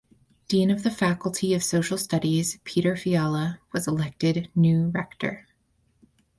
Dean of the Faculty of Social Studies Petr Fiala was elected new Rector.